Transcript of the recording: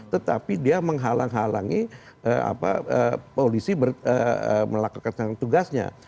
tetapi dia menghalang halangi polisi melakukan tugasnya